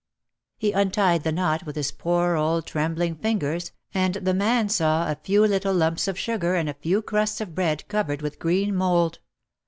He untied the knot with his poor old trembling fingers and the man saw a few little lumps of sugar and a few crusts of bread covered with green mould.